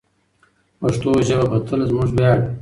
پښتو ژبه به تل زموږ ویاړ وي.